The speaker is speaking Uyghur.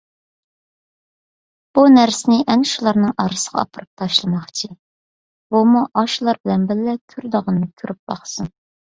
بۇ نەرسىنى ئەنە شۇلارنىڭ ئارىسىغا ئاپىرىپ تاشلىماقچى، بۇمۇ ئاشۇلار بىلەن بىللە كۆرىدىغىنىنى كۆرۈپ باقسۇن.